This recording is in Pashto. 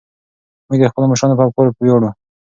موږ د خپلو مشرانو په افکارو ویاړو.